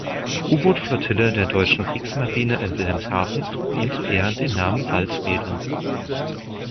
U-Boot-Flottille der deutschen Kriegsmarine in Wilhelmshaven trug ihm zu Ehren den Namen „Saltzwedel“.